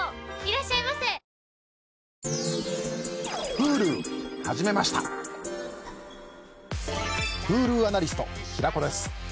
Ｈｕｌｕアナリスト平子です。